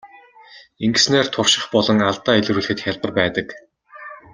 Ингэснээр турших болон алдаа илрүүлэхэд хялбар байдаг.